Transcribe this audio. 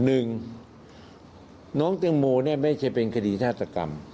หนึ่งน้องแตงโมเนี่ยไม่ใช่เป็นคดีฆาตกรรม